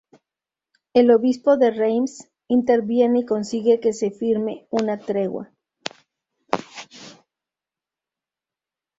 El obispo de Reims interviene y consigue que se firme una tregua.